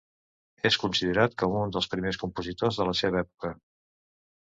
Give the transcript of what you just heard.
És considerat com a un dels primers compositors de la seva època.